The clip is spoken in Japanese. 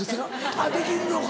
あっできるのか。